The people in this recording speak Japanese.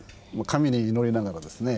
神に祈りながらですね。